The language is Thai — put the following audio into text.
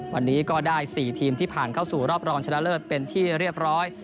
วันนี้ก็ได้๔ทีมที่ผ่านเข้าสู่รอบรองชนะเลิศเป็นที่เรียบร้อย